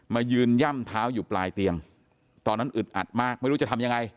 มายืนย่ำเท้าอยู่ปลายเตียงตอนนั้นอึดอัดมากไม่รู้จะทำยังไง